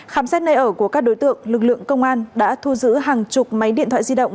khám xét nơi ở của các đối tượng lực lượng công an đã thu giữ hàng chục máy điện thoại di động